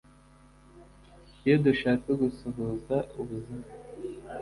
Iyo dushaka gusuhuza ubuzima